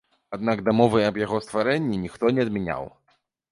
Аднак дамовы аб яго стварэнні ніхто не адмяняў.